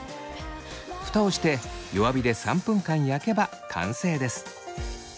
ふたをして弱火で３分間焼けば完成です。